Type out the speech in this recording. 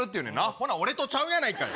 ほな俺とちゃうやないかい。